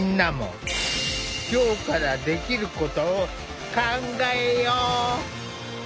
今日からできることを考えよう！